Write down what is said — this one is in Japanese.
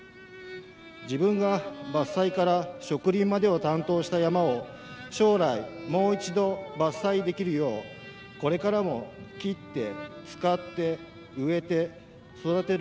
自分が伐採から植林までを担当した山を将来もう一度、伐採できるようこれからも「伐って、使って、植えて、育てる」